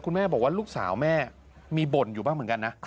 แม่บอกว่าลูกสาวแม่มีบ่นอยู่บ้างเหมือนกันนะ